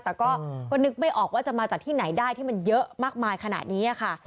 แต่ก็นึกไม่ออกว่าจะมาจากที่ไหนได้ที่มันเยอะมากมายขนาดนี้ค่ะ